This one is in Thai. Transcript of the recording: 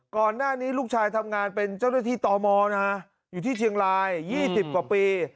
ก่อนหน้านี้ลูกชายทำงานเป็นเจ้าหน้าที่ตมนะอยู่ที่เชียงราย๒๐กว่าปี